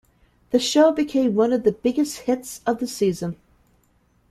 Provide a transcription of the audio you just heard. The show became one of the biggest hits of the season.